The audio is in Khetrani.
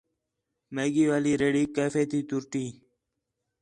میگی والی ریڑھیک کیفے تے طور تی